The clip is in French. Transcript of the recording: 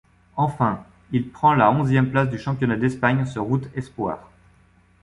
Enfin, il prend la onzième place du championnat d'Espagne sur route espoirs.